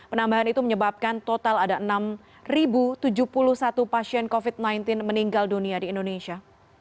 penambahan itu menyebabkan total ada enam tujuh puluh satu pasien covid sembilan belas meninggal dunia di indonesia